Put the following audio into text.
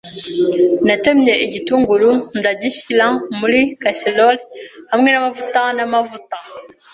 Natemye igitunguru ndagishyira muri casserole hamwe namavuta namavuta.